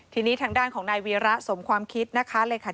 ทีนี้ทางด้านของนายวีระสมความคิดนะคะเลยค่ะ